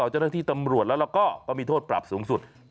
เจ้าหน้าที่ตำรวจแล้วก็มีโทษปรับสูงสุด